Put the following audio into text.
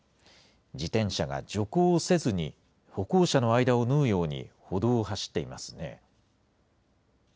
自転車が徐行せずに、歩行者の間を縫うように歩道を走っていますね。